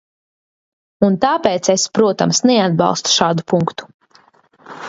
Un tāpēc es, protams, neatbalstu šādu punktu.